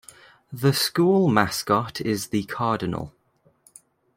The school mascot is the cardinal.